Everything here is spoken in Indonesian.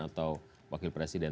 atau wakil presiden